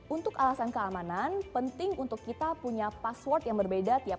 untuk alasan keamanan penting untuk kita punya password yang berbeda tiap